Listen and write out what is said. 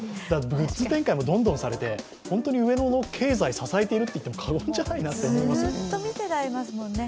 グッズ展開もどんどんされて上野の経済を支えていると言っても過言じゃないと思いますね。